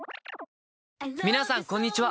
皆さんこんにちは。